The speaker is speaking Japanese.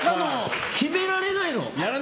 決められないの！